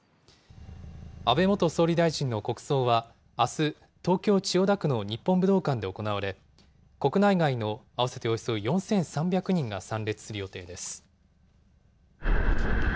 安倍元総理大臣の国葬は、あす東京・千代田区の日本武道館で行われ、国内外の合わせておよそ４３００人が参列する予定です。